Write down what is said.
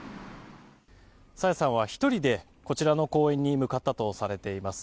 朝芽さんは１人でこちらの公園に向かったとされています。